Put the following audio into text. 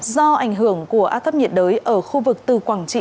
do ảnh hưởng của áp thấp nhiệt đới ở khu vực từ quảng trị